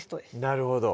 なるほど